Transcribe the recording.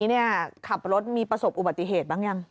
นี่ขับรถมีประสบอุบัติเหตุบ้างยัง